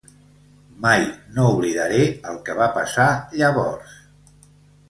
Mai no oblidaré el que va passar llavors.